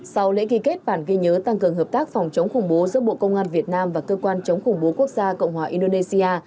sau lễ ký kết bản ghi nhớ tăng cường hợp tác phòng chống khủng bố giữa bộ công an việt nam và cơ quan chống khủng bố quốc gia cộng hòa indonesia